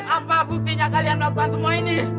apa buktinya kalian lakukan semua ini